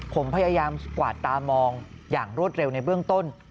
ผมพยายามกวาดตามองอย่างรวดเร็วในเบื้องต้น